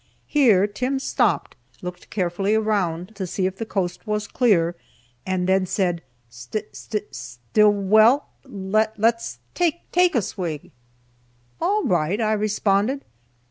Here Tim stopped, looked carefully around to see if the coast was clear, and then said, "Sti Sti Stillwell, l l less t t take a swig!" "All right," I responded.